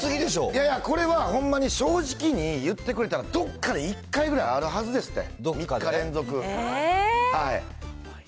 いやいや、これはほんまに正直に言ってくれたら、どっかで１回ぐらいあるはずですって。